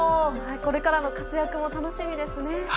これからの活躍も楽しみですね。